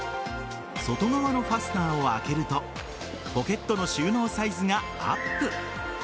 外側のファスナーを開けるとポケットの収納サイズがアップ。